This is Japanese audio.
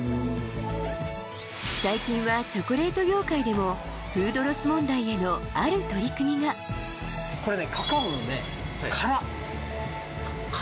最近はチョコレート業界でもフードロス問題へのある取り組みがこれねカカオのね殻殻？